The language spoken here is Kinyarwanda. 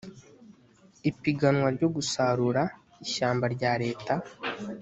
ipiganwa ryo gusarura ishyamba rya leta